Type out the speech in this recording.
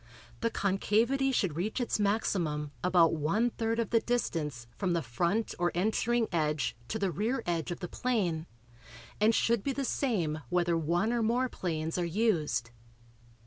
The concavity should reach its maximum about one third of the distance from the front or entering edge to the rear edge of the plane and should be the same whether one or more planes are used.